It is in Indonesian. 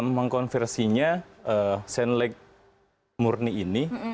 mengonversinya senleg murni ini